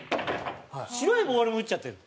白いボールも打っちゃってる。